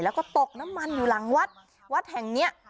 แล้วก็ตกน้ำมันอยู่หลังวัดวัดแห่งเนี้ย